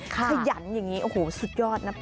ขยันอย่างนี้โอ้โหสุดยอดนะ